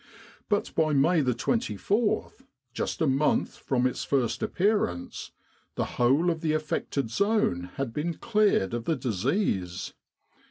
But by 189 With the R.A.M.C. in Egypt May 24, just a month from its first appearance, the whole of the affected zone had been cleared of the disease.